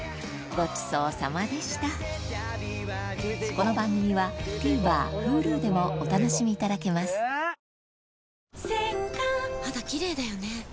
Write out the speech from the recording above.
この番組はＴＶｅｒＨｕｌｕでもお楽しみいただけます・肌キレイだよね。